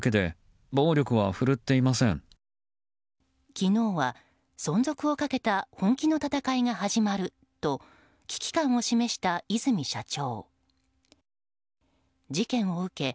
昨日は、存続をかけた本気の戦いが始まると危機感を示した和泉社長。